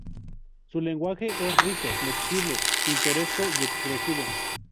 Su lenguaje es rico, flexible, pintoresco y expresivo.